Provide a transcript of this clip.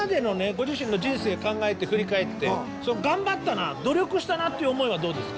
ご自身の人生考えて振り返って頑張ったな努力したなっていう思いはどうですか？